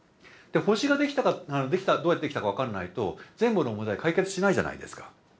星がどうやってできたか分からないと全部の問題解決しないじゃないですか。